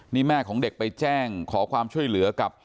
นี่แม่ของเด็กไปแจ้งขอความช่วยเหลือกับ